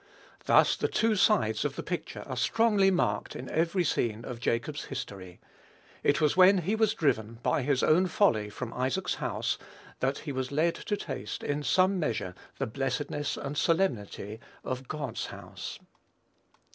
Thus the two sides of the picture are strongly marked in every scene of Jacob's history. It was when he was driven, by his own folly, from Isaac's house, that he was led to taste, in some measure, the blessedness and solemnity of "God's house."